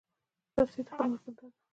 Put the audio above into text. رسۍ د خدمت بنده ده.